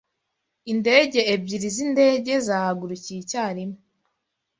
Indege ebyiri zindege zahagurukiye icyarimwe